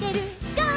「ゴー！